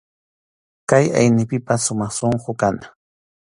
Kay aynipipas sumaq sunqu kana.